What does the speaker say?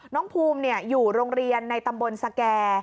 น้องภูมิอยู่โรงเรียนในตำบลสแก่